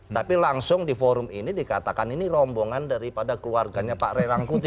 tapi langsung di forum ini dikatakan ini rombongan daripada keluarganya pak ray rangkuti